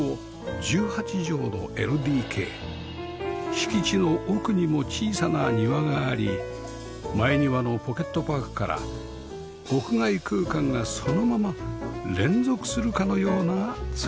敷地の奥にも小さな庭があり前庭のポケットパークから屋外空間がそのまま連続するかのような造りです